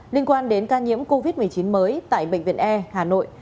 liên quan đến ca nhiễm covid một mươi chín mới tại bệnh viện e hà nội